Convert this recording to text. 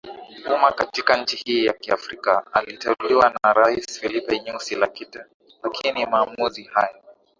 umma katika nchi hii ya kiafrikaAliteuliwa na Rais Filipe Nyusi lakini maamuzi hayo